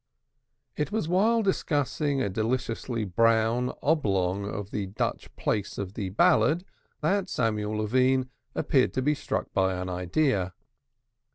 It was while discussing a deliciously brown oblong of the Dutch plaice of the ballad that Samuel Levine appeared to be struck by an idea.